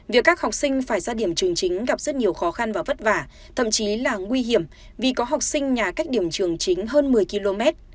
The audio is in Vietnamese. việc các học sinh phải ra điểm trường chính gặp rất nhiều khó khăn và vất vả thậm chí là nguy hiểm vì có học sinh nhà cách điểm trường chính hơn một mươi km